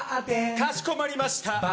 かしこまりました